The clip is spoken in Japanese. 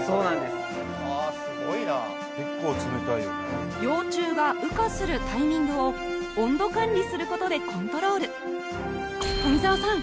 すごいな幼虫が羽化するタイミングを温度管理することでコントロール富澤さん